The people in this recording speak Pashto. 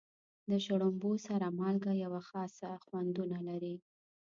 د شړومبو سره مالګه یوه خاصه خوندونه لري.